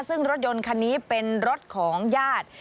ซึ่งรถยนต์คันนี้เป็นรถของญาติ